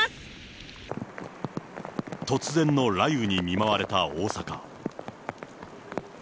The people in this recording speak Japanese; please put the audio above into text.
突然の雷雨に見舞われた大阪。